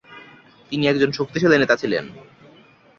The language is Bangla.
তিনি একজন শক্তিশালী নেতা ছিলেন।